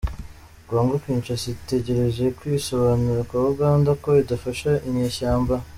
Congo Kinshasa itegereje kwisobanura kwa Uganda ko idafasha inyeshyamba